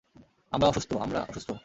আমরা অসুস্থ, আমরা অসুস্থ!